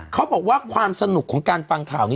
เขาบอกว่าความสนุกของการฟังข่าวนี้